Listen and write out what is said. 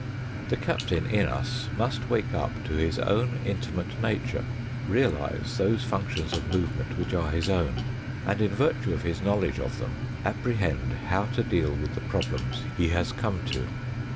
The captain in us must wake up to his own intimate nature, realise those functions of movement which are his own, and in virtue of his knowledge of them apprehend how to deal with the problems he has come to.